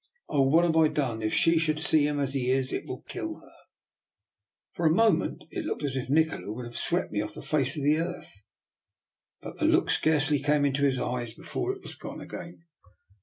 Oh, what haVe I done? If she should see him as he is, it will kill her! " For a moment it looked as if Nikola would have swept me off the face of the earth, but the look scarcely came into his eyes before it was gone again.